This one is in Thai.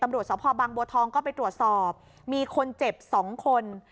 ตำรวจสภบางบัวทองก็ไปตรวจสอบมีคนเจ็บ๒คน